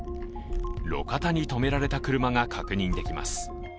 路肩に止められた車が確認できます。